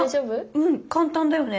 うん簡単だよね